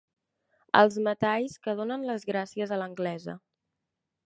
Els metalls que donen les gràcies a l'anglesa.